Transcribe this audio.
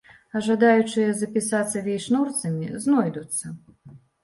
А жадаючыя запісацца вейшнорцамі знойдуцца.